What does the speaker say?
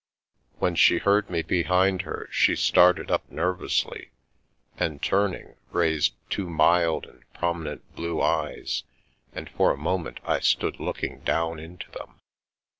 When she heard me behind her she The Milky Way started up nervously, and turning, raised two mild and prominent blue eyes, and for a moment I stood looking down into them.